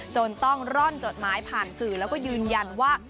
จนต้องร่อนจดหมายผ่านสื่อแล้วก็ยืนยันว่า